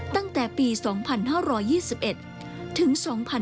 ตั้งแต่ปี๒๕๒๑ถึง๒๕๕๙